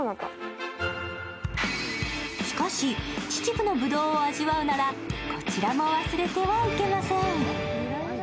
しかし、秩父のぶどうを味わうなら、こちらも忘れてはいけません。